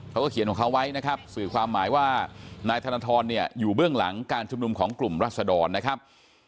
เขาก็เขียนของเขาไว้นะครับสื่อความหมายว่านายธนทรเนี่ยอยู่เบื้องหลังการชุมนุมของกลุ่มรัศดรนะครับ